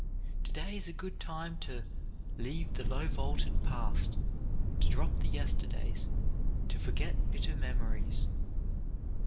To day is a good time to "leave the low vaulted past," to drop the yesterdays, to forget bitter memories.